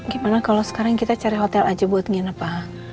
gimana kalau sekarang kita cari hotel aja buat ngenapa